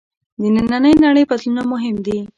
د نننۍ نړۍ بدلونونه مهم دي.